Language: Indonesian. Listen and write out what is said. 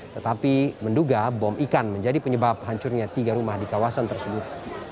tetapi menduga bom ikan menjadi penyebab hancurnya tiga rumah di kawasan tersebut